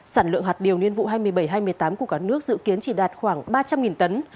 sản lượng hạt điều nguyên vụ hai mươi bảy hai mươi tám của cả nước dự kiến chỉ đạt khoảng ba trăm linh tấn